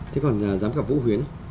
thế còn giám khảo vũ huyến